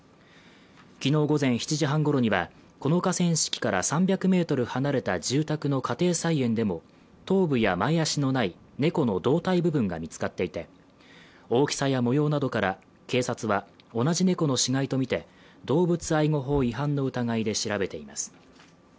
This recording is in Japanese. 昨日午前７時半ごろにはこの河川敷から３００ｍ離れた住宅の家庭菜園でも頭部や前足のない猫の胴体部分が見つかっていて大きさや模様などから、警察は同じ猫の死骸とみて動物愛護法違反の疑いで調べています。